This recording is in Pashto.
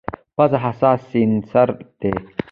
پزه حساس سینسر دی.